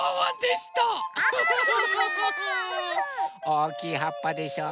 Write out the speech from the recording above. おおきいはっぱでしょ。